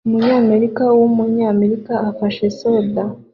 umunyamerika wumunyamerika afashe soda